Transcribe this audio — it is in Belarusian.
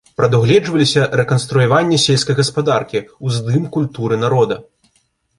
Прадугледжваліся рэканструяванне сельскай гаспадаркі, уздым культуры народа.